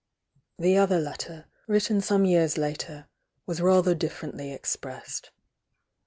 The other letter, written some years later, was raiher differently expressed.